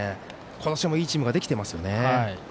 今年もいいチームができていますよね。